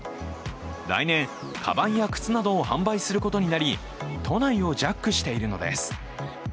来年、カバンや靴などを販売することになり、都内をジャックしているのです。